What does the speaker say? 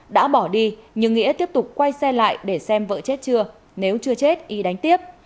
đã bỏ đi nhưng nghĩa tiếp tục quay xe lại để xem vợ chết chưa nếu chưa chết y đánh tiếp